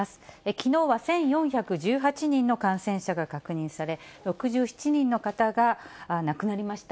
きのうは１４１８人の感染者が確認され、６７人の方が亡くなりました。